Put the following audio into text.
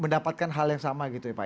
mendapatkan hal yang sama gitu ya pak